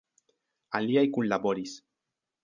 Aliaj kunlaboris.